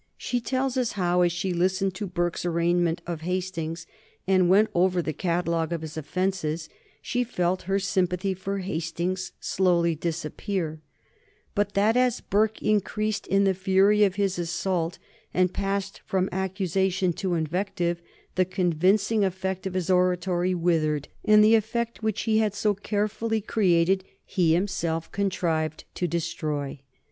She tells us how, as she listened to Burke's arraignment of Hastings, and went over the catalogue of his offences, she felt her sympathy for Hastings slowly disappear, but that as Burke increased in the fury of his assault, and passed from accusation to invective, the convincing effect of his oratory withered, and the effect which he had so carefully created he himself contrived to destroy.